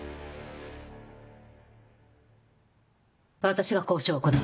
私が交渉を行う。